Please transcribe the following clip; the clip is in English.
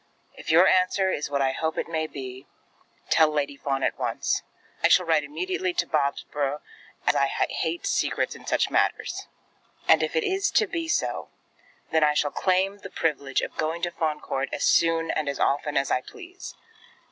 If your answer is what I hope it may be, tell Lady Fawn at once. I shall immediately write to Bobsborough, as I hate secrets in such matters. And if it is to be so, then I shall claim the privilege of going to Fawn Court as soon and as often as I please.